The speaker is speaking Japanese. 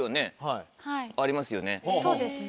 そうですね。